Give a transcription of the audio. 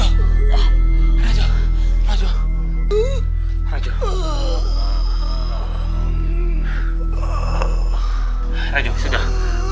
raju sudah kau jangan bergerak